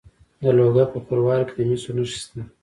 د لوګر په خروار کې د مسو نښې شته.